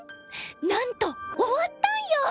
なんと終わったんよ！